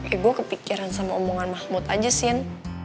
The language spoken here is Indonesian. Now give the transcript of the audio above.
eh gue kepikiran sama omongan mahmud aja sin